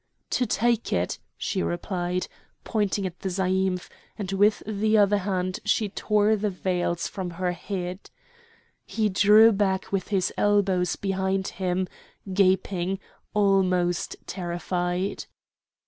"To take it!" she replied, pointing to the zaïmph, and with the other hand she tore the veils from her head. He drew back with his elbows behind him, gaping, almost terrified.